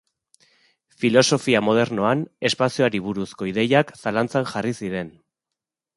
Filosofia modernoan espazioari buruzko ideiak zalantzan jarri ziren.